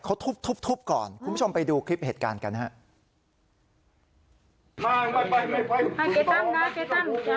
เขาทุบก่อนคุณผู้ชมไปดูคลิปเหตุการณ์กันฮะ